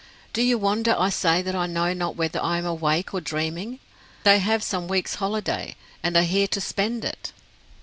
Do you wonder I say that I know not whether I am awake or dreaming? They have some weeks' holiday, and are here to spend it."